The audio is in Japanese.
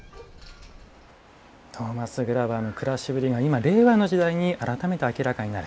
トーマス・グラバーの暮らしぶりが今、令和の時代に改めて明らかになる。